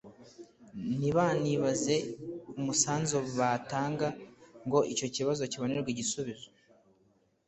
ntibanibaze umusanzu batanga ngo icyo kibazo kibonerwe igisubizo,